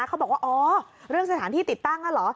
เขาบอกว่าอ๋อเรื่องสถานที่ติดตั้งเหรอ